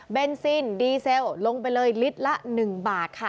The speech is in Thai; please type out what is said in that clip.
ซินดีเซลลงไปเลยลิตรละ๑บาทค่ะ